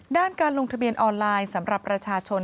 ด้านการลงทะเบียนออนไลน์สำหรับประชาชน